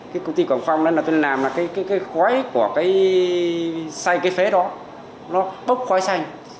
cái công ty quảng phong nên là tôi làm là cái khói của cái sai cái phế đó nó bốc khói xanh